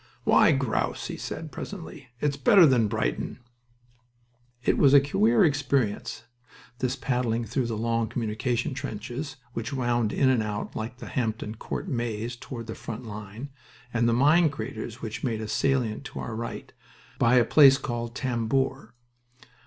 "Why grouse?" he said, presently. "It's better than Brighton!" It was a queer experience, this paddling through the long communication trenches, which wound in and out like the Hampton Court maze toward the front line, and the mine craters which made a salient to our right, by a place called the "Tambour."